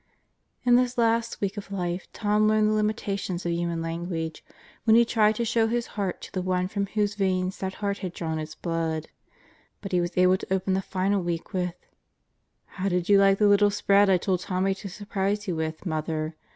... In this last week of life Tom learned the limitations of human language when he tried to show his heart to the one from whose veins that heart had drawn its blood. But he was able to open the final week with: How did you like the little spread I told Tommie to surprise you with, Mother.